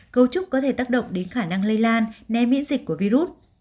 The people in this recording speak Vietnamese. cấu trúc có thể tác động đến khả năng lây lan né miễn dịch của virus